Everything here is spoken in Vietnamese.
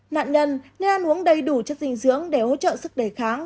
nạn nhân nên ăn uống đầy đủ chất dinh dưỡng để hỗ trợ sức đề kháng